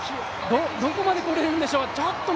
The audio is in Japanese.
どこまで来れるんでしょうちょっと